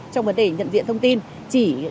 trong vấn đề nhận diện thông tin chỉ